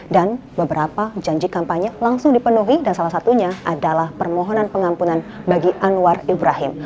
dan beberapa janji kampanye langsung dipenuhi dan salah satunya adalah permohonan pengampunan bagi anwar ibrahim